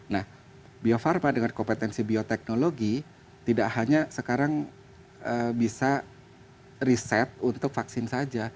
nah bio farma dengan kompetensi bioteknologi tidak hanya sekarang bisa riset untuk vaksin saja